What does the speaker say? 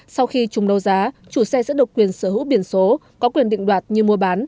sau khi trùng đấu giá chủ xe sẽ được quyền sở hữu biển số có quyền định đoạt như mua bán